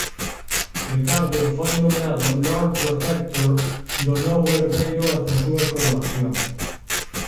Ricardo foi nomeado Lord Protector do novo herdeiro ata a súa coroación.